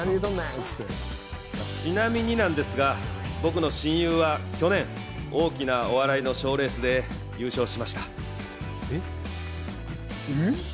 ちなみになんですが、僕の親友は去年、大きなお笑いの賞レースで優勝しました。